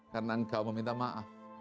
karena engkau meminta maaf